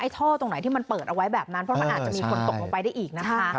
ท่อตรงไหนที่มันเปิดเอาไว้แบบนั้นเพราะมันอาจจะมีคนตกลงไปได้อีกนะคะ